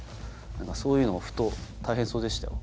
そういうのがふと大変そうでしたよ。